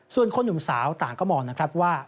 ส่วนคนหนุ่มสาวต่างก็มองนะครับว่า